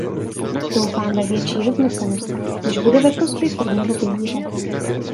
Doufám ve větší rovnocennost, jež bude ve prospěch prvního pilíře.